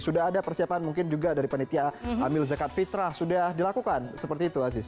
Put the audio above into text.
sudah ada persiapan mungkin juga dari penitia hamil zakat fitrah sudah dilakukan seperti itu aziz